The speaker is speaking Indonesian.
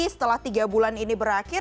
setelah tiga bulan ini berakhir